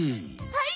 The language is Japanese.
はい！